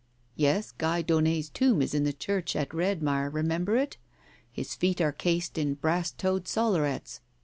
...' Yes, Guy Daunet's tomb is in the church at Redmire — remember it? — His feet are cased in brass toed sollerets.